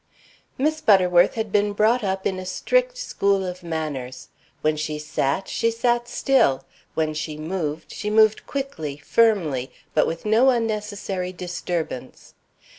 Miss Butterworth had been brought up in a strict school of manners. When she sat, she sat still; when she moved, she moved quickly, firmly, but with no unnecessary disturbance.